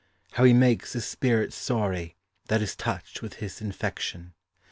How he makes the spirit sorry That is touch'd with his infection.